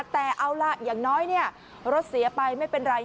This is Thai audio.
แต่เอาล่ะอย่างน้อยรถเสียไปไม่เป็นไร